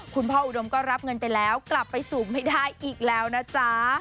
คุณพ่ออุดมก็รับเงินไปแล้วกลับไปสูบไม่ได้อีกแล้วนะจ๊ะ